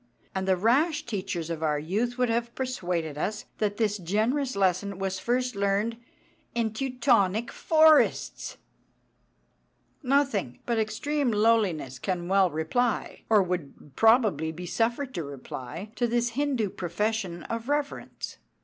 And the rash teachers of our youth would have persuaded us that this generous lesson was first learnt in Teutonic forests! Nothing but extreme lowliness can well reply, or would probably be suffered to reply, to this Hindu profession of reverence.